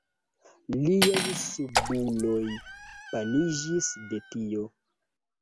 Liaj subuloj panikiĝis de tio.